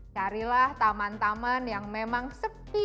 carilah taman taman yang memang sepi